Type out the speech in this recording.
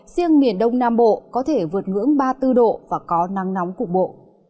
riêng miền đông nam bộ có thể vượt ngưỡng ba mươi bốn độ và có nắng nóng cục bộ